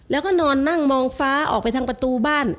แล้วก็นอนนั่งมองฟ้าออกไปทางประตูบ้าน